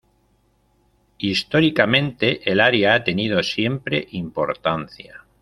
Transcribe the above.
Históricamente, el área ha tenido siempre importancia.